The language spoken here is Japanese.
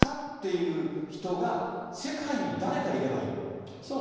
いう人が世界に誰かいればいい？